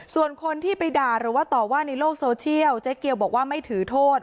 ส่วนคนที่ไปด่าหรือว่าต่อว่าในโลกโซเชียลเจ๊เกียวบอกว่าไม่ถือโทษ